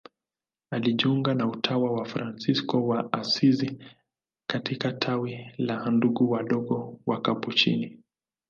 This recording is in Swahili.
Alijiunga na utawa wa Fransisko wa Asizi katika tawi la Ndugu Wadogo Wakapuchini.